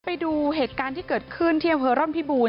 ไปดูเหตุการณ์ที่เกิดขึ้นที่อำเภอร่อนพิบูรณ